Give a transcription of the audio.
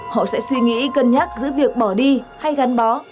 họ sẽ suy nghĩ cân nhắc giữa việc bỏ đi hay gắn bó